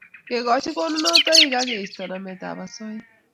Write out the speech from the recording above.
Kekoch konunotoik ak keisto nametab osoya